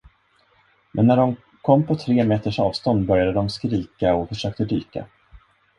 Men när de kom på tre meters avstånd började de skrika och försökte dyka.